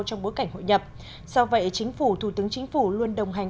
trong bối cảnh hội nhập do vậy chính phủ thủ tướng chính phủ luôn đồng hành